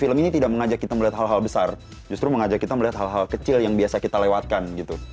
film ini tidak mengajak kita melihat hal hal besar justru mengajak kita melihat hal hal kecil yang biasa kita lewatkan gitu